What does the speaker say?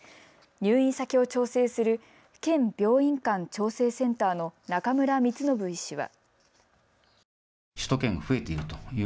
入院先を調整する県病院間調整センターの中村光伸医師は。